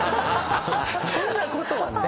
そんなことはない。